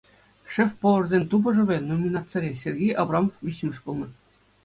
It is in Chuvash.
«Шеф-поварсен тупӑшӑвӗ» номинацире Сергей Абрамов виҫҫӗмӗш пулнӑ.